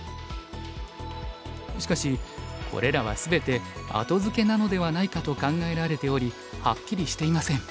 しかしこれらは全て後付けなのではないかと考えられておりはっきりしていません。